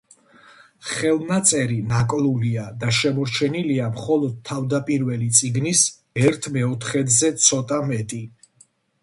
ხელნაწერი ნაკლულია და შემორჩენილია მხოლოდ თავდაპირველი წიგნის ერთ მეოთხედზე ცოტა მეტი.